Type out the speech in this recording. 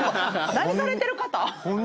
何されてる方？